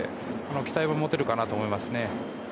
期待を持てるかなと思いますね。